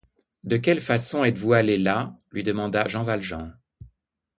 De quelle façon êtes-vous allés là? lui demanda Jean Valjean.